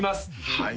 はい